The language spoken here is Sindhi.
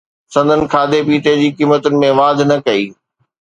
سندن کاڌي پيتي جي قيمتن ۾ واڌ نه ڪئي